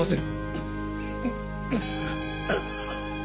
うっ。